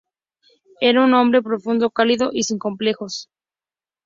Era un hombre profundo, cálido y sin complejos.